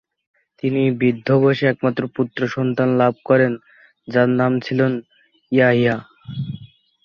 তিনি বৃদ্ধ বয়সে একমাত্র পুত্র সন্তান লাভ করেন যার নাম ছিল ইয়াহইয়া।